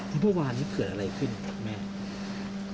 ที่บ้านนี้เกิดอะไรขึ้นแม่